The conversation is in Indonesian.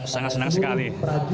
sangat senang sekali